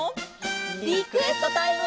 リクエストタイム！